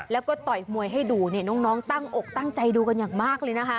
แล้วก็ต่อยมวยให้ดูเนี่ยน้องตั้งอกตั้งใจดูกันอย่างมากเลยนะคะ